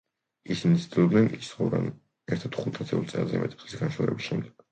ისინი ცდილობენ იცხოვრონ ერთად ხუთ ათეულ წელზე მეტი ხნის განშორების შემდეგ.